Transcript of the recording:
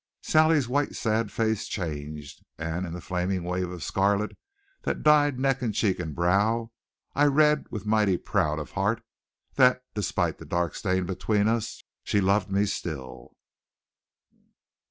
Sally's white, sad face changed, and in the flaming wave of scarlet that dyed neck and cheek and brow I read with mighty pound of heart that, despite the dark stain between us, she loved me still.